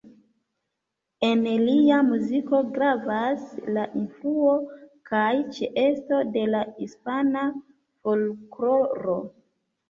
En lia muziko gravas la influo kaj ĉeesto de la hispana folkloro.